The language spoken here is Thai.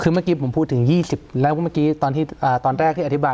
คือเมื่อกี้ผมพูดถึง๒๐แล้วก็เมื่อกี้ตอนแรกที่อธิบาย